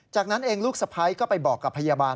จากนั้นเองลูกสะพ้ายก็ไปบอกกับพยาบาล